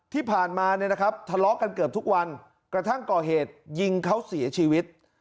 ที่ผ่านมาเนี่ยนะครับทะเลาะกันเกือบทุกวันกระทั่งก่อเหตุยิงเขาเสียชีวิต